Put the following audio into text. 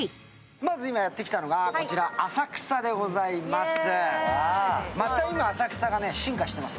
まず今やってきたのがこちら浅草でございます。